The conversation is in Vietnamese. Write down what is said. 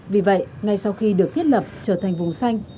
vì vậy ngay sau khi được thiết lập trở thành vùng xanh